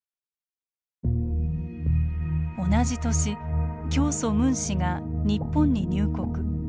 同じ年教祖・ムン氏が日本に入国。